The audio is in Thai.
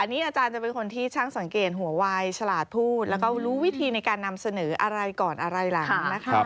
อันนี้อาจารย์จะเป็นคนที่ช่างสังเกตหัววายฉลาดพูดแล้วก็รู้วิธีในการนำเสนออะไรก่อนอะไรหลังนะคะ